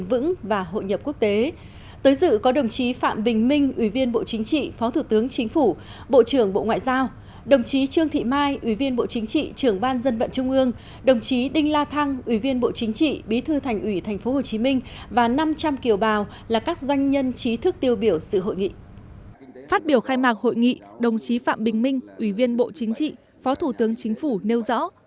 phát biểu khai mạc hội nghị đồng chí phạm bình minh ủy viên bộ chính trị phó thủ tướng chính phủ nêu rõ